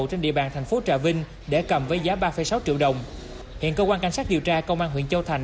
trên địa bàn thành phố trà vinh để cầm với giá ba sáu triệu đồng hiện cơ quan cảnh sát điều tra công an huyện châu thành